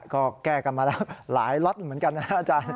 ก็แก้กันมาแล้วหลายล็อตเหมือนกันนะอาจารย์